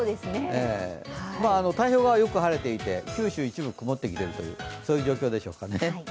太平洋側はよく晴れていて、九州、一部曇ってきているという状況でしょうか。